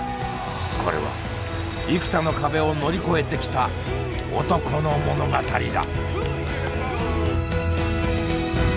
これは幾多の壁を乗り越えてきた男の物語だ。